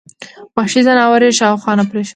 وحشي ځناور یې شاوخوا نه پرېښود.